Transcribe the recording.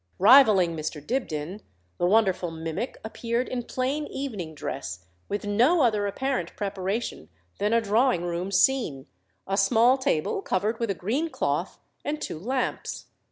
Rivalling Mr. Dibdin, the wonderful mimic appeared in plain evening dress with no other apparent preparation than a drawing room scene, a small table covered with a green cloth, and two lamps.